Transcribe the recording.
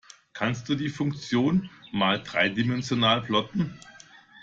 Kannst du die Funktion mal dreidimensional plotten?